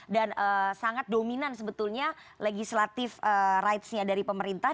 dan sangat dominan sebetulnya legislatif rights nya dari pemerintah